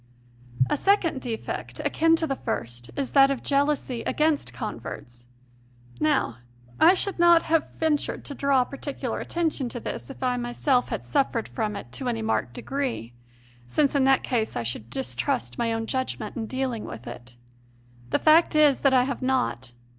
A second defect, akin to the first, is that of jeal ousy against converts. Now I should not have ventured to draw particular attention to this if I myself had suffered from it to any marked degree, since in that case I should distrust my own judg ment in dealing with it. The fact is that I have not.